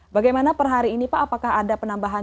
bagaimana per hari ini pak apakah ada penambahan